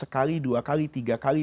sekali dua kali tiga kali